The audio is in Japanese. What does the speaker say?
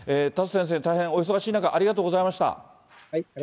田里先生、大変お忙しい中、ありありがとうございました。